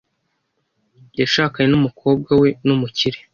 Yashakanye n'umukobwa we n'umukire .